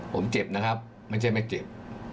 ผมเจ็บนะครับไม่ใช่ไม่เจ็บ